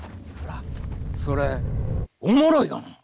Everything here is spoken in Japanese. それおもろいがな。